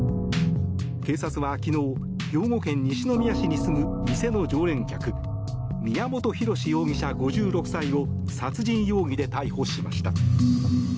警察は昨日、兵庫県西宮市に住む店の常連客宮本浩志容疑者、５６歳を殺人容疑で逮捕しました。